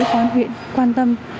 quán huyện quan tâm